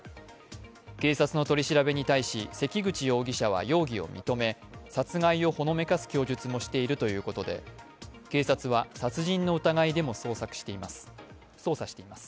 警察の取り調べに対し関口容疑者は容疑を認め殺害をほのめかす供述もしているということで警察は殺人の疑いでも捜査しています。